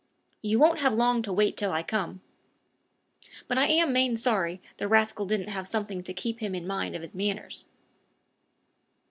You won't have long to wait till I come. But I am main sorry the rascal didn't have something to keep him in mind of his manners."